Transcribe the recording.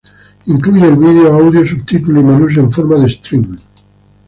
Incluye el video, audio, subtítulos y menús en forma de "stream".